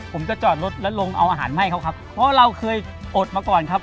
ผมจะจอดรถแล้วลงเอาอาหารให้เขาครับเพราะเราเคยอดมาก่อนครับ